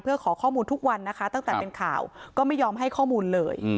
เพื่อขอข้อมูลทุกวันนะคะตั้งแต่เป็นข่าวก็ไม่ยอมให้ข้อมูลเลย